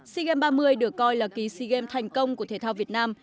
sea games ba mươi được coi là kỳ sea games thành công của thể thao việt nam